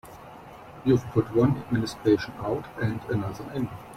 You've put one administration out and another in.